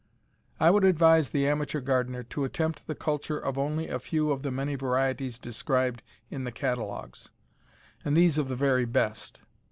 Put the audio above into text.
I would advise the amateur gardener to attempt the culture of only a few of the many varieties described in the catalogues, and these of the very best.